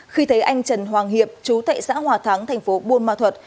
khi thấy anh trần hoàng hiệp chú tại xã hòa thắng thành phố buôn ma thuật